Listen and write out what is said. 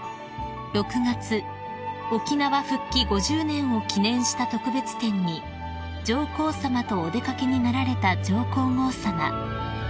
５０年を記念した特別展に上皇さまとお出掛けになられた上皇后さま］